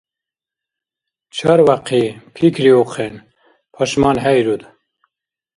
Чарвяхъи, пикриухъен – пашманхӏейруд